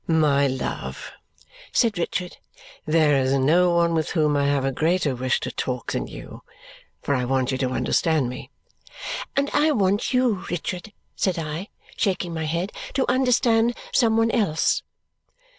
"My love," said Richard, "there is no one with whom I have a greater wish to talk than you, for I want you to understand me." "And I want you, Richard," said I, shaking my head, "to understand some one else."